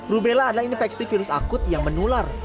rubella adalah infeksi virus akut yang menular